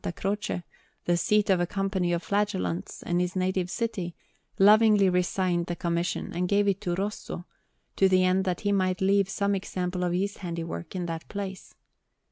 Croce, the seat of a Company of Flagellants, in his native city, lovingly resigned the commission and gave it to Rosso, to the end that he might leave some example of his handiwork in that place.